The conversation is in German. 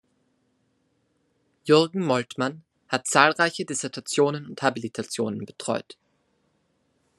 Jürgen Moltmann hat zahlreiche Dissertationen und Habilitationen betreut.